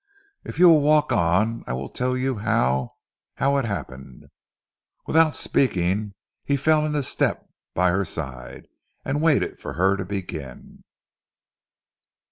If you will walk on I will tell you how how it happened." Without speaking he fell into step by her side, and waited for her to begin.